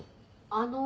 あの。